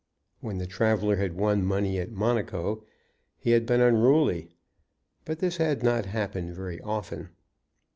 When the traveller had won money at Monaco he had been unruly, but this had not happened very often.